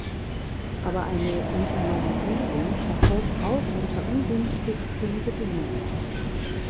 Aber eine Internalisierung erfolgt auch unter ungünstigsten Bedingungen.